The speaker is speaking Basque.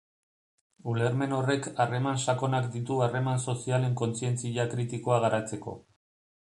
Ulermen horrek harreman sakonak ditu harreman sozialen kontzientzia kritikoa garatzeko.